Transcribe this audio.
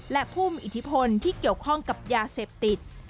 และผู้มีอิทธิพลที่เกี่ยวข้องกับยาเสพติด